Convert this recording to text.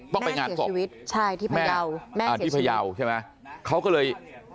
ไปงานสกที่ภายาวเค้าก็เลย